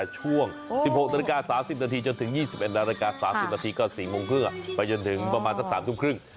ช่วง๑๖น๓๐นจนถึง๒๑น๓๐นก็๔โมงครึ่งไปจนถึงประมาณสัก๓ทุ่มครึ่ง